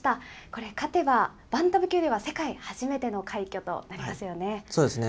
これ、勝てばバンタム級では世界で初めての快挙となりますよね。